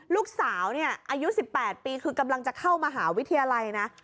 ลูกสาวเนี่ยอายุ๑๘ปีคือกำลังจะเข้ามหาวิทยาลัยนะ